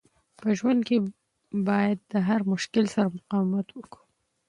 په ژوند کښي باید د هر مشکل سره مقاومت وکو.